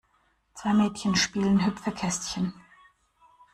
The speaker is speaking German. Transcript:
Zwei Mädchen spielen Hüpfekästchen.